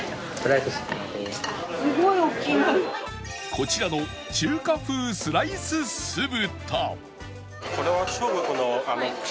こちらの中華風スライス酢豚